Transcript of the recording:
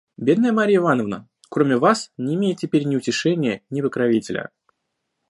Бедная Марья Ивановна, кроме вас, не имеет теперь ни утешения, ни покровителя».